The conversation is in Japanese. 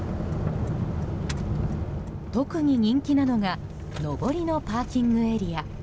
特に人気なのが上りのパーキングエリア。